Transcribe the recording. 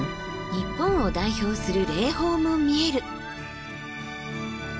日本を代表する霊峰も見える！